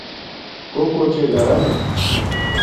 کوکو چھے گھرانا